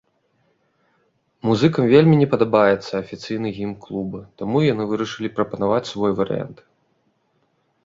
Музыкам вельмі не падабаецца афіцыйны гімн клуба, таму яны і вырашылі прапанаваць свой варыянт.